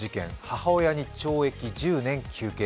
母親に懲役１０年求刑。